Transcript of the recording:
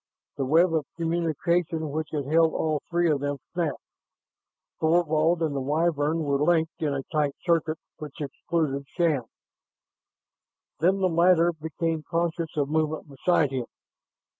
The web of communication which had held all three of them snapped. Thorvald and the Wyvern were linked in a tight circuit which excluded Shann. Then the latter became conscious of movement beside him.